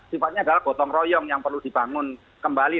tiba tiba adalah gotong royong yang perlu dibangun kembali